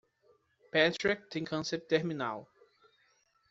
Patrick tem câncer terminal.